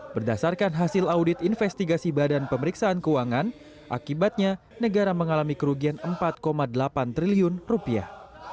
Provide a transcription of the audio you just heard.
berdasarkan hasil audit investigasi badan pemeriksaan keuangan akibatnya negara mengalami kerugian empat delapan triliun rupiah